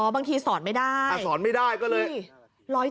บางทีสอนไม่ได้สอนไม่ได้ก็เลย